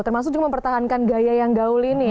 tapi itu mempertahankan gaya yang gaul ini